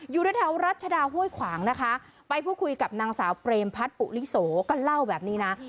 อยู่ในแถวรัชดาห้วยขวางนะคะไปพูดคุยกับนางสาวเปรมพัฒน์ปุลิโสก็เล่าแบบนี้นะ